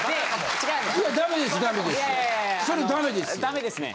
ダメですね。